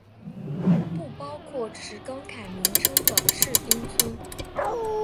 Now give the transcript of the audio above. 不包括只是更改名称的市町村。